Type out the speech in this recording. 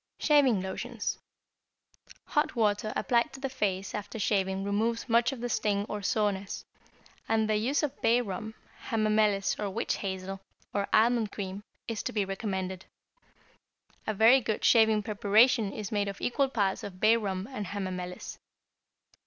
=Shaving Lotions.= Hot water applied to the face after shaving removes much of the sting or soreness, and the use of bay rum, hamamelis or witch hazel, or almond cream, is to be recommended. A very good shaving preparation is made of equal parts of bay rum and hamamelis.